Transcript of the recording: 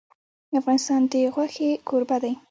افغانستان د غوښې کوربه دی.